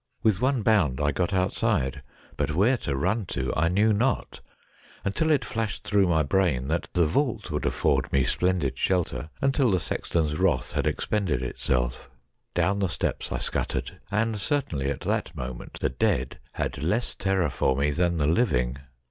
With one bound I got outside, but where to run to I knew not, until it flashed through my brain that the vault would afford me splendid shelter until the sexton's wrath had expended itself. Down the steps I scuttered, and certainly at that moment the dead had less terror for me than the living.